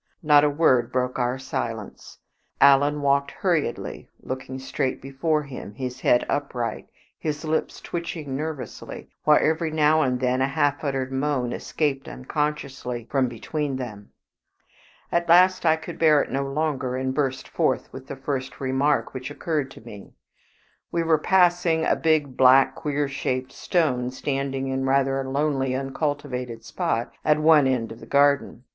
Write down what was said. Not a word broke our silence. Alan walked hurriedly, looking straight before him, his head upright, his lips twitching nervously, while every now and then a half uttered moan escaped unconsciously from between them. At last I could bear it no longer, and burst forth with the first remark which occurred to me. We were passing a big, black, queer shaped stone standing in rather a lonely uncultivated spot at one end of the garden.